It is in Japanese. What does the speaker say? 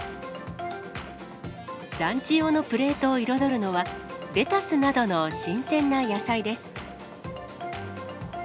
ランチ用のプレートを彩るのは、レタスなどの新鮮な野菜です。